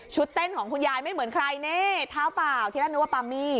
เต้นของคุณยายไม่เหมือนใครนี่เท้าเปล่าที่แรกนึกว่าปามี่